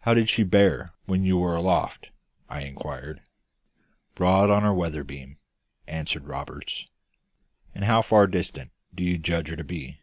"How did she bear when you were aloft?" I inquired. "Broad on our weather beam," answered Roberts. "And how far distant do you judge her to be?"